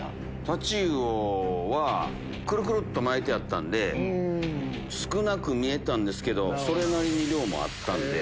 太刀魚はくるくるっと巻いてあったんで少なく見えたんですけどそれなりに量もあったんで。